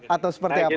atau seperti apa